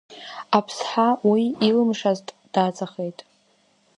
Аԥсҳа уи илымшазт даҵахеит.